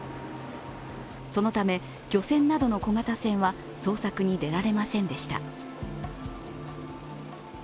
そのため、漁船などの小型船は捜索に出られませんでした。